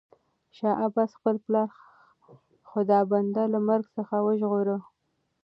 شاه عباس خپل پلار خدابنده له مرګ څخه وژغوره.